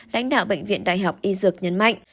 lãnh đạo bệnh viện đại học y dược nhấn mạnh